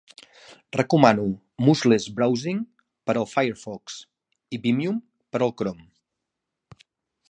Recomano Mouseless Browsing per al Firefox i Vimium per al Chrome.